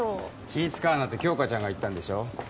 気使うなって杏花ちゃんが言ったんでしょ？